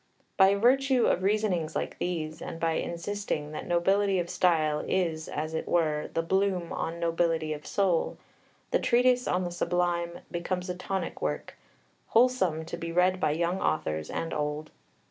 By virtue of reasonings like these, and by insisting that nobility of style is, as it were, the bloom on nobility of soul, the Treatise on the Sublime becomes a tonic work, wholesome to be read by young authors and old.